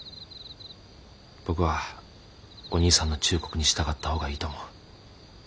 僕はお義兄さんの忠告に従った方がいいと思う。